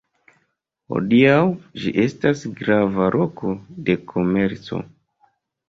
Hodiaŭ ĝi estas grava loko de komerco.